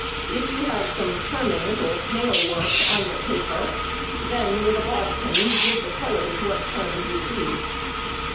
If you have some turnings or snail work on your paper, then with a bodkin give the colours what turns you please.